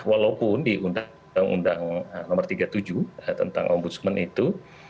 walaupun di undang undang nomor tiga puluh tujuh tentang ombudsman itu